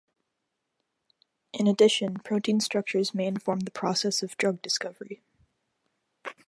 In addition, protein structures may inform the process of drug discovery.